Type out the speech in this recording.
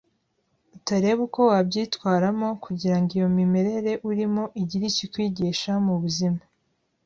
utareba uko wabyitwaramo kugira ngo iyo mimerere urimo igire icyo ikwigisha mu buzima